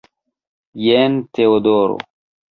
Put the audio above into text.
Jen Teodoro!